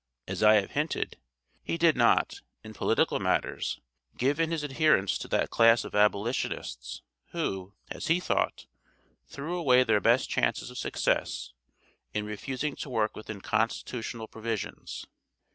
As I have hinted, he did not, in political matters, give in his adherence to that class of abolitionists who, as he thought, threw away their best chances of success in refusing to work within constitutional provisions.